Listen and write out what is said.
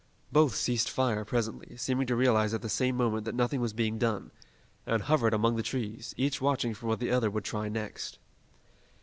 Both ceased fire presently, seeming to realize at the same moment that nothing was being done, and hovered among the trees, each watching for what the other would try next.